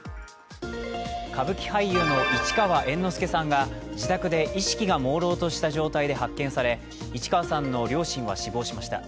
歌舞伎俳優の市川猿之助さんが自宅で意識がもうろうとした状態で発見され、市川さんの両親は死亡しました。